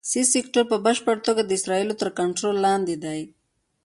سي سیکټور په بشپړه توګه د اسرائیلو تر کنټرول لاندې دی.